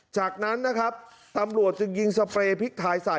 จากนั้นนะครับตำรวจจึงยิงสเปรย์พริกไทยใส่